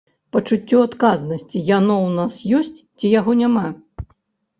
Пачуццё адказнасці, яно ў нас ёсць ці яго няма?